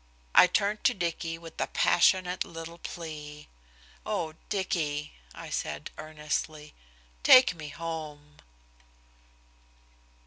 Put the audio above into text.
I turned to Dicky with a passionate little plea. "Oh! Dicky," I said earnestly, "take me home."